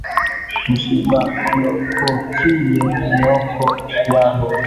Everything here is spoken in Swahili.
Mushibalokotiye mioko yabo